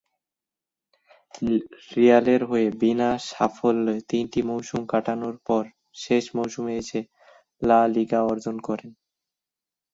রিয়ালের হয়ে বিনা সাফল্যে তিনটি মৌসুম কাটানোর পর শেষ মৌসুমে এসে লা লিগা অর্জন করেন।